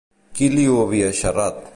Qui li ho havia xerrat?